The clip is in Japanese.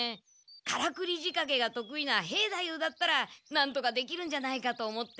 カラクリじかけがとくいな兵太夫だったらなんとかできるんじゃないかと思って。